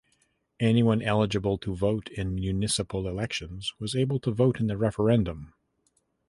Anyone eligible to vote in municipal elections was able to vote in the referendum.